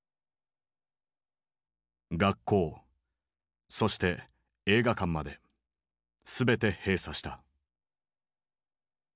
学校そして映画館まで全て閉鎖した。